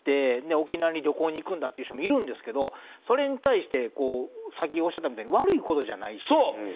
沖縄に旅行に行く人もいるんですけどそれに対してさっきおっしゃったみたいに悪いことじゃないし。